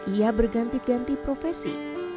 ia berganti ganti profesi